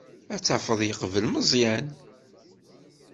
Ad tafeḍ yeqbel Meẓyan.